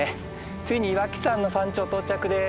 ついに岩木山の山頂到着です。